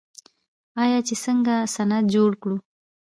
آیا چې څنګه صنعت جوړ کړو؟